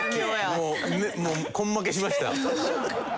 もう根負けしました。